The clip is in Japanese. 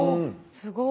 すごい。